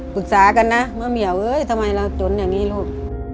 ปรึกษากันนะมะเหมียวเอ้ยทำไมเราจนอย่างนี้ลูก